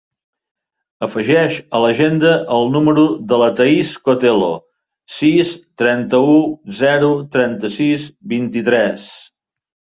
Afegeix a l'agenda el número de la Thaís Cotelo: sis, trenta-u, zero, trenta-sis, vint-i-tres.